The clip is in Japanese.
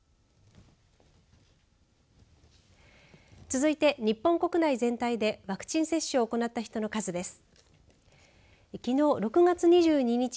続いて、日本国内全体でワクチン接種を行った人の数です。